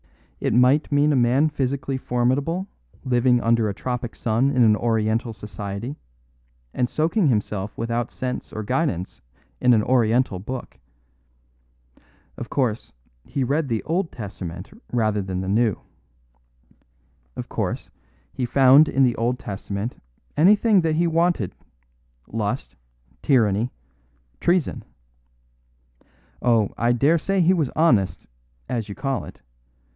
It might mean a man physically formidable living under a tropic sun in an Oriental society, and soaking himself without sense or guidance in an Oriental Book. Of course, he read the Old Testament rather than the New. Of course, he found in the Old Testament anything that he wanted lust, tyranny, treason. Oh, I dare say he was honest, as you call it.